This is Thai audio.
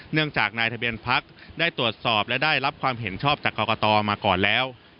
เนื่องจากนายทะเบียนพักได้ตรวจสอบและได้รับความเห็นชอบจากกรกตมาก่อนแล้ว